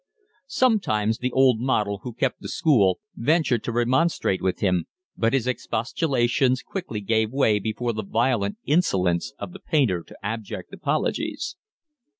Sometimes the old model who kept the school ventured to remonstrate with him, but his expostulations quickly gave way before the violent insolence of the painter to abject apologies.